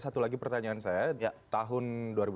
satu lagi pertanyaan saya tahun